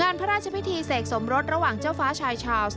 พระราชพิธีเสกสมรสระหว่างเจ้าฟ้าชายชาวส์